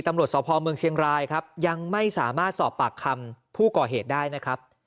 ตำรวจสพเมืองเชียงรายครับยังไม่สามารถสอบปากคำผู้ก่อเหตุได้นะครับ